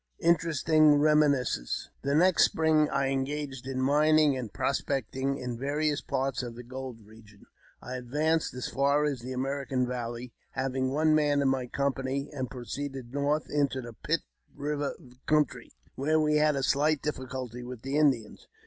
— Interesting Eeminiscence. THE next spring I engaged in mining and prospecting in various parts of the gold region. I advanced as far as the American Valley, having one man in my company, and proceeded north into the Pitt River country, where we had a slight difficulty with the Indians.